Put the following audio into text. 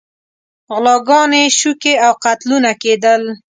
غلاګانې، شوکې او قتلونه کېدل.